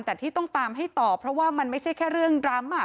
แต่ที่ต้องตามให้ต่อเพราะว่ามันไม่ใช่แค่เรื่องดรัมป์อ่ะ